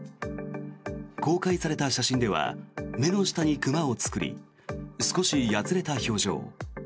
公開された写真では目の下にクマを作り少しやつれた表情。